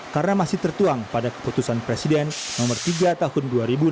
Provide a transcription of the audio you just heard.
karena masih tertuang pada keputusan presiden nomor tiga tahun dua ribu enam belas